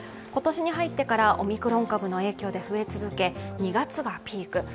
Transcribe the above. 今年に入ってからオミクロン株の影響で増え続け２月がピーク。